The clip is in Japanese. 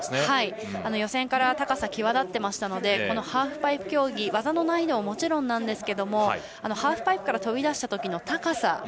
予選から高さが際立っていましたのでこのハーフパイプ競技技の難易度ももちろんですがハーフパイプから飛び出したときの高さ。